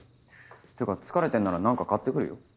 ってか疲れてんなら何か買ってくるよ。